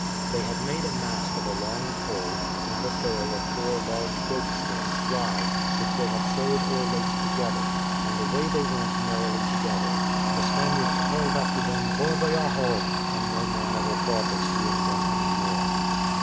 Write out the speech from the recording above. They had made a mast of a long pole, and a sail of four large goat skins dried, which they had sewed or laced together; and away they went merrily together. The Spaniards called after them "Bon voyajo;" and no man ever thought of seeing them any more.